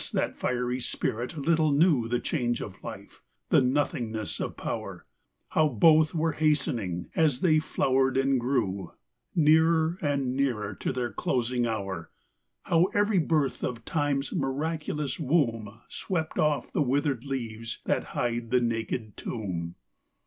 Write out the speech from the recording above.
that fiery spirit little knew The change of life, the nothingness of power, How both were hastening, as they flowered and grew, Nearer and nearer to their closing hour : How every birth of time's miraculous womb Swept off the withered leaves that hide the naked tomb.